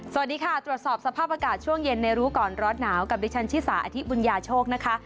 สวัสดีค่ะตรวจสอบสภาพอากาศช่วงเย็นในรู้ก่อนร้อนหนาวกับดิฉันชิสาอธิบุญญาโชคนะคะ